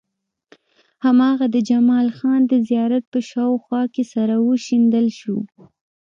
هماغه د جمال خان د زيارت په شاوخوا کې سره وشيندل شو.